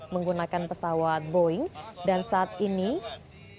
menggunakan pesawat boeing dan saat ini sudah tiba di bandara internasional hang nadiem batam kepulauan riau